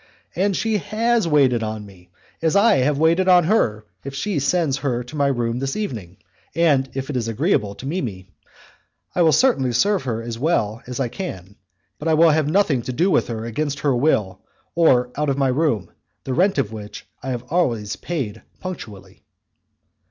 "And she has waited on me as I have waited on her if she sends her to my room this evening, and if it is agreeable to Mimi, I will certainly serve her as well as I can; but I will have nothing to do with her against her will or out of my room, the rent of which I have always paid punctually."